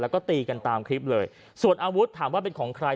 แล้วก็ตีกันตามคลิปเลยส่วนอาวุธถามว่าเป็นของใคร